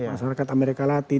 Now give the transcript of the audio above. masyarakat amerika latin